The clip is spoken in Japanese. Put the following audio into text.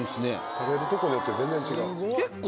食べるとこによって全然違う。